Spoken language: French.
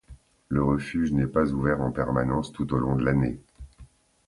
Le refuge n'est pas ouvert en permanence tout au long de l'année.